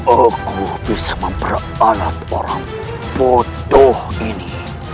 aku bisa memperalat orang bodoh ini